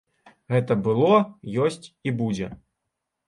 Гэта было, ёсць і будзе.